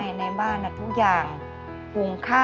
อีกคำนึง